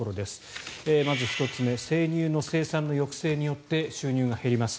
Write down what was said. まず１つ目生乳の生産の抑制によって収入が減ります。